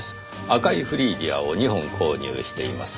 赤いフリージアを２本購入しています。